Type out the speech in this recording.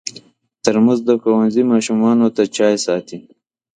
ترموز د ښوونځي ماشومانو ته چای ساتي.